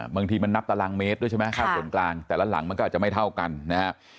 บางทีมันนับตารางเมตรด้วยใช่ไหมค่าส่วนกลางแต่ละหลังมันก็อาจจะไม่เท่ากันนะครับ